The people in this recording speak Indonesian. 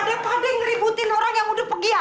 apa rasanya wih